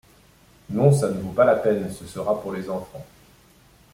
Non, ça n’en vaut pas la peine, ce sera pour les enfants...